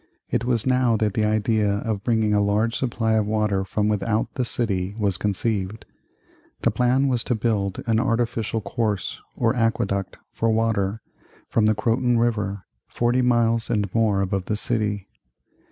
It was now that the idea of bringing a large supply of water from without the city was conceived. The plan was to build an artificial course, or aqueduct, for water, from the Croton River, forty miles and more above the city.